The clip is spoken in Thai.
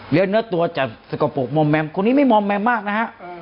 และเนื้อตัวจะสกปรกมมแมมคนนี้ไม่มมแมมมากนะครับ